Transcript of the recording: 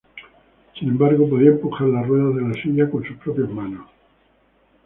Sin embargo, podía empujar las ruedas de la silla con sus propias manos.